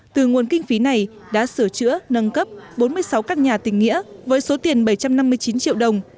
từ nguồn kinh phí này đã sửa chữa nâng cấp bốn mươi sáu căn nhà tình nghĩa với số tiền bảy trăm năm mươi chín triệu đồng